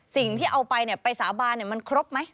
สิ่งที่เอาไปไปสาบานมันครบไหม